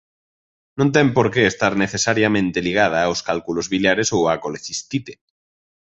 Non ten porque estar necesariamente ligada aos cálculos biliares ou á colecistite.